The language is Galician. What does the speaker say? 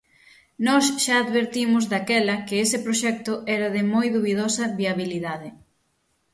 Nós xa advertimos daquela que ese proxecto era de moi dubidosa viabilidade.